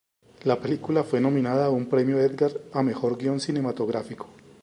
La película fue nominada a un Premio Edgar a Mejor Guión Cinematográfico.